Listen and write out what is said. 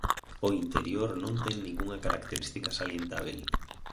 O interior non ten ningunha característica salientábel.